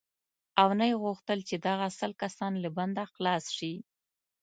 او نه یې غوښتل چې دغه سل کسان له بنده خلاص شي.